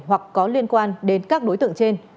hoặc có liên quan đến các đối tượng trên